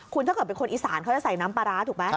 คุณถ้าเกิดเป็นคนอีสานเขาจะใส่น้ำปลาร้าถูกไหม